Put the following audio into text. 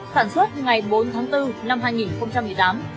sản xuất ngày bốn tháng bốn năm hai nghìn một mươi tám